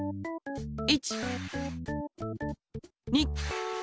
１！２！